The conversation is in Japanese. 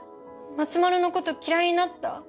まつまるのこと嫌いになった？